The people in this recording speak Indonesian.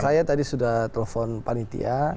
saya tadi sudah telepon panitia